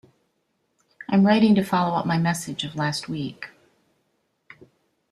I'm writing to follow up my message of last week.